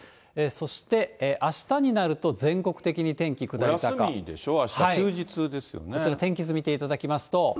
そしてあしたになると、お休みでしょ、あした、天気図見ていただきますと。